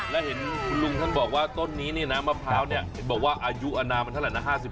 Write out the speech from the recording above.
และเห็นคุณลุงท่านบอกว่าต้นนี้น้ะมะพร้าวนี่บอกว่าอายุอาณามันเท่าไรนะ๕๐ปี